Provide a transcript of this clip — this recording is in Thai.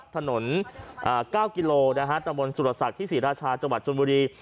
ถนน๙กิโลนะฮะตรงบนสุรษัตริย์ที่ศรีราชาจังหวัดสุนบุรี